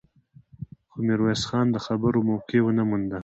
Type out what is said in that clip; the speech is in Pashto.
خو ميرويس خان د خبرو موقع ونه مونده.